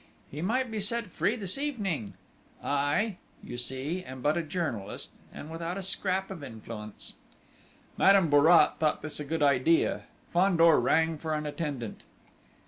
He might be set free this evening! I, you see, am but a journalist, and without a scrap of influence!" Madame Bourrat thought this a good idea. Fandor rang for an attendant.